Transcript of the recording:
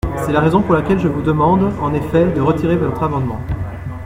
C’est la raison pour laquelle je vous demande, en effet, de retirer votre amendement.